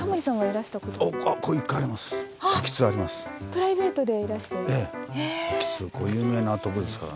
プライベートでいらして？